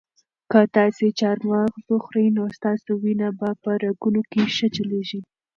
که تاسي چهارمغز وخورئ نو ستاسو وینه به په رګونو کې ښه چلیږي.